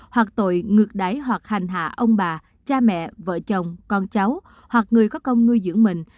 hoặc tội ngược đáy hoặc hành hạ ông bà cha mẹ vợ chồng con cháu hoặc người có công nuôi dưỡng mình